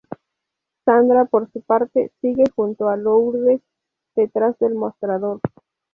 Sandra, por su parte, sigue junto a Lourdes detrás del mostrador.